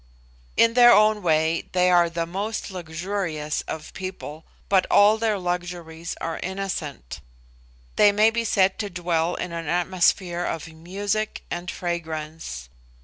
In their own way they are the most luxurious of people, but all their luxuries are innocent. They may be said to dwell in an atmosphere of music and fragrance.